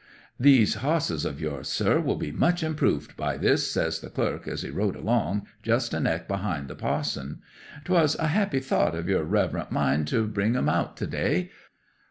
'"These hosses of yours, sir, will be much improved by this!" says the clerk as he rode along, just a neck behind the pa'son. "'Twas a happy thought of your reverent mind to bring 'em out to day.